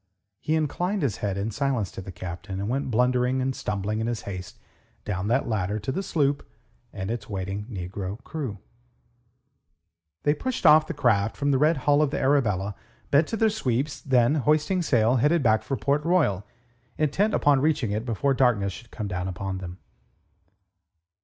He inclined his head in silence to the Captain, and went blundering and stumbling in his haste down that ladder to the sloop and its waiting negro crew. They pushed off the craft from the red hull of the Arabella, bent to their sweeps, then, hoisting sail, headed back for Port Royal, intent upon reaching it before darkness should come down upon them.